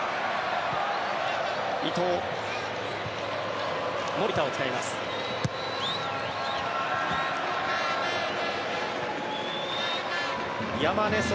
伊藤、守田を使います。